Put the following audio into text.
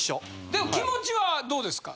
でも気持ちはどうですか？